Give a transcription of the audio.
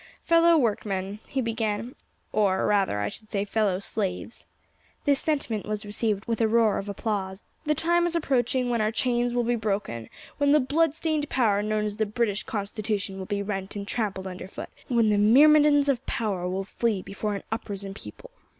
"Fellow workmen," he began, "or rather I should say fellow slaves," this sentiment was received with a roar of applause, "the time is approaching when our chains will be broken, when the bloodstained power known as the British Constitution will be rent and trampled under foot, when the myrmidons of power will flee before an uprisen people.